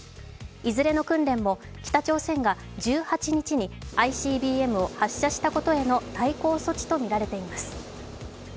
いずれの訓練も北朝鮮が１８日にＩＣＢＭを発射したことへの対抗措置とみられています。